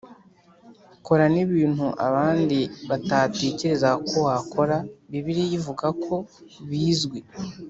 kora n ibintu abandi batatekerezaga ko wakora Bibiliya ivuga ko bizwi